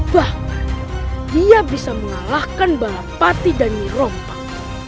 bahkan dia bisa mengalahkan balapati dan dirompak